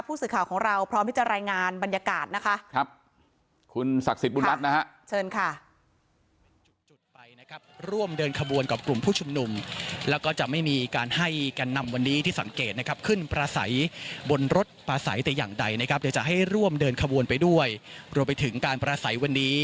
ผู้สื่อข่าวของเราพร้อมที่จะรายงานบรรยากาศนะคะครับคุณศักดิ์สิทธิบุญรัฐนะฮะเชิญค่ะ